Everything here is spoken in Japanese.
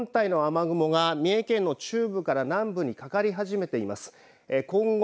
台風本体の雨雲が三重県の中部から南部にかかり始めています。